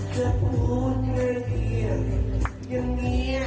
ใช่เลย